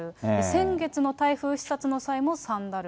先月の台風視察の際もサンダル。